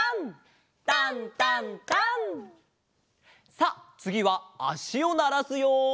さあつぎはあしをならすよ！